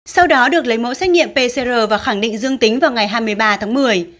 sau đó được lấy mẫu xét nghiệm pcr và khẳng định dương tính vào ngày hai mươi ba tháng một mươi